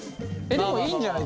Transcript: でもいいんじゃない？